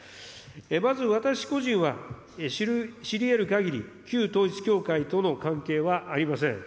まず、私個人は知りえるかぎり、旧統一教会との関係はありません。